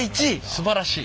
すばらしい。